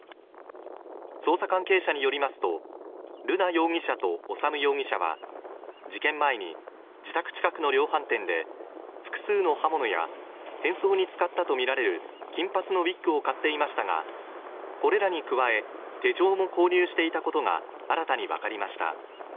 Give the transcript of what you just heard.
捜査関係者によりますと、瑠奈容疑者と修容疑者は事件前に自宅近くの量販店で、複数の刃物や変装に使ったとみられる金髪のウイッグを買っていましたが、これらに加え手錠も購入していたことが新たに分かりました。